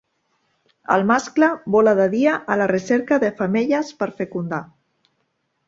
El mascle vola de dia a la recerca de femelles per fecundar.